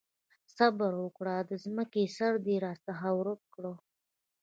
صبره وکړه! د ځمکې سر دې راڅخه ورک کړ.